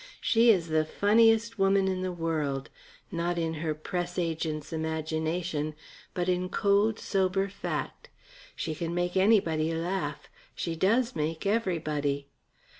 She is the funniest woman in the world not in her press agent's imagination, but in cold, sober fact. She can make anybody laugh; she does make everybody.